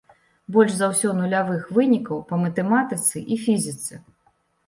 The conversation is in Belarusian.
Больш за ўсё нулявых вынікаў па матэматыцы і фізіцы.